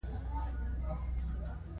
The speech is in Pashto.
ارمان پيژو شخصي مسوولیت نهلري.